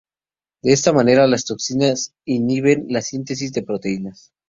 De esta manera, las toxinas inhiben la síntesis de proteínas.